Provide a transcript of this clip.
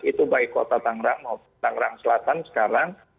itu baik kota tangerang maupun tangerang selatan sekarang